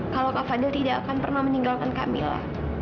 kalau kak fadil tidak akan pernah meninggalkan kak mila